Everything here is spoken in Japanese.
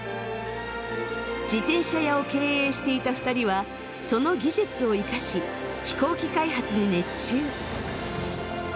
自転車屋を経営していた２人はその技術を生かし飛行機開発に熱中。